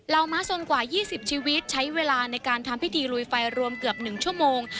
ม้าสนกว่า๒๐ชีวิตใช้เวลาในการทำพิธีลุยไฟรวมเกือบ๑ชั่วโมง